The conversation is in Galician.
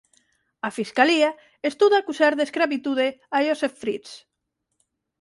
A fiscalía estuda acusar de escravitude a Josef Fritzl